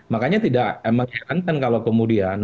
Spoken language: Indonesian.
makanya tidak mengherankan kalau kemudian